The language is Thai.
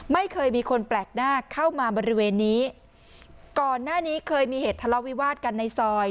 ไม่เคยมีคนแปลกหน้าเข้ามาบริเวณนี้ก่อนหน้านี้เคยมีเหตุทะเลาวิวาสกันในซอย